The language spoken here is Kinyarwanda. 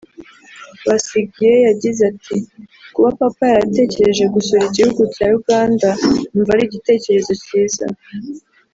Besigye yagize ati “Kuba papa yaratekereje gusura Igihugu cya Uganda numva ari igitekerezo kiza